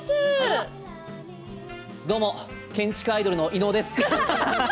どうも建築アイドルの伊野尾です。